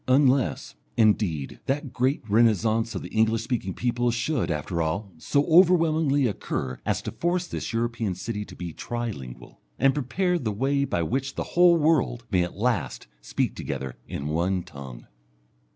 Unless, indeed, that great renascence of the English speaking peoples should, after all, so overwhelmingly occur as to force this European city to be tri lingual, and prepare the way by which the whole world may at last speak together in one tongue.